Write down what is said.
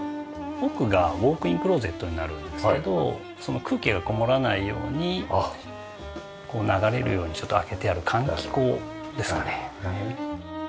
奥がウォークイン・クローゼットになるんですけど空気がこもらないように流れるようにちょっと開けてある換気口ですかね。